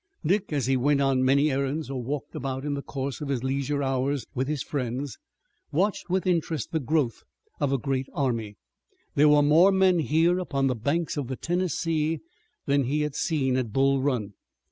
Dick, as he went on many errands or walked about in the course of his leisure hours with his friends, watched with interest the growth of a great army. There were more men here upon the banks of the Tennessee than he had seen at Bull Run.